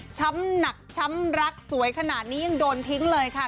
หนักช้ำรักสวยขนาดนี้ยังโดนทิ้งเลยค่ะ